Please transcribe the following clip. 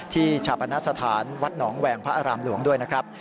ชาปณสถานวัดหนองแหวงพระอารามหลวงด้วยนะครับ